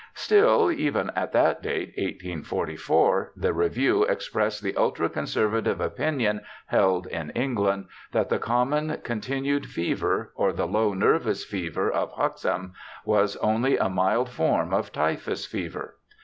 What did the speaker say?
Still, even at that date, 1844, the Review expressed the ultra conservative opinion held in England, that the common continued fever, or the low nervous fever of Huxham, was only a mild form of typhus fever.